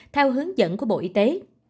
theo hướng dẫn của bộ y tế